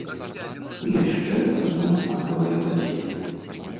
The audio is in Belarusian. І яшчэ адна знакавая падзея.